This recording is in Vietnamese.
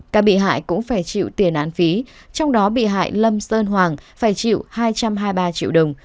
các bị hại cũng phải chịu tiền án phí trong đó bị hại lâm sơn hoàng phải chịu hai trăm hai mươi ba triệu đồng